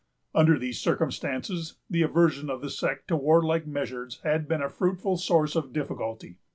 Under these circumstances, the aversion of the sect to warlike measures had been a fruitful source of difficulty.